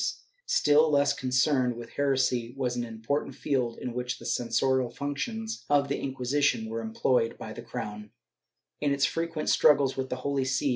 IV] THE REGALIAS 533 Still less concerned with heresy was an important field in which the censorial functions of the Inquisition were employed by the crown, in its frequent struggles with the Holy See.